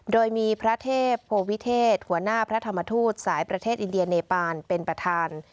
โดยมีพระเทพโพวิเทศหัวหน้าพระธรรมทูตสายประเทศอินเดียเนปานเป็นประธาน